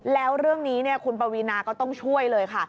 แล้วเรื่องนี้คุณปวีนาก็ต้องช่วยเลยค่ะ